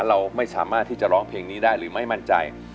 เราไม่สามารถที่จะร้องเพลงนี้ได้หรือไม่มั่นใจ